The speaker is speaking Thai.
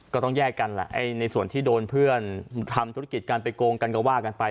ก็ต้องแยกกันแหละในส่วนที่โดนเพื่อนทำธุรกิจกันไปโกงกันก็ว่ากันไป